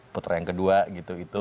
putra yang kedua gitu